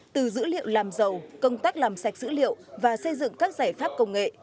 từ dữ liệu làm dầu công tác làm sạch dữ liệu và xây dựng các giải pháp công nghệ